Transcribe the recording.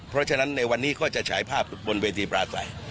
เพราะฉะนั้นในวันนี้ก็จะฉายภาพบนเวทีปลาใส